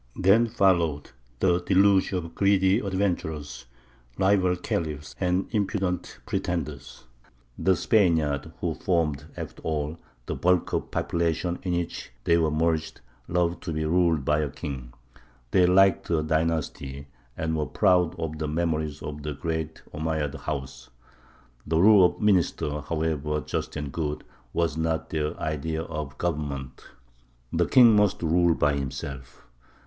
Then followed the deluge of greedy adventurers, rival khalifs, and impudent pretenders. The Spaniards, who formed after all the bulk of the population in which they were merged, loved to be ruled by a king; they liked a dynasty, and were proud of the memories of the great Omeyyad house. The rule of a minister, however just and good, was not their idea of government; the king must rule by himself.